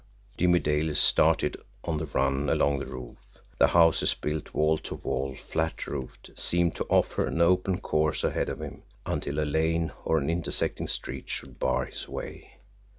Jimmie Dale started on the run along the roof. The houses, built wall to wall, flat roofed, seemed to offer an open course ahead of him until a lane or an intersecting street should bar his way!